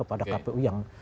ada kpu yang